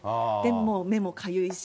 もう目もかゆいし。